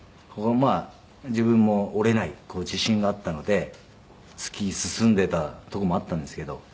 まあ自分も折れない自信があったので突き進んでたところもあったんですけど。